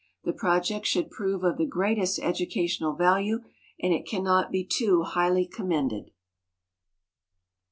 The project should prove of the greatest educational value and it cannot be too highly commended.